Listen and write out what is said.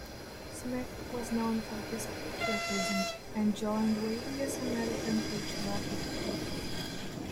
Smith was known for his patriotism and joined various American patriotic groups.